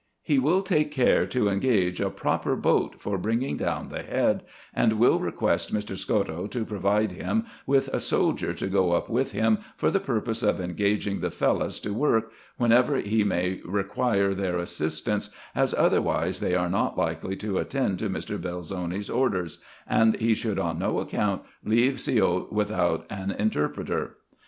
He will take care to engage a proper boat for bringing down the head, and will request Mr. Scotto to provide him with a soldier to go up with him, for the purpose of engaging the Fellahs to work whenever he may require their assistance, as otherwise they are not likely to attend to Mr. Eelzoni's orders ; and he should on no account leave Siout without an interpreter.